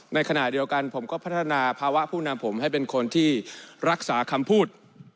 ในขณะเดียวกันผมก็พัฒนาภาวะผู้นำผมให้เป็นคนที่รักษาคำพูด